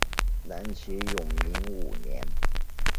南齐永明五年。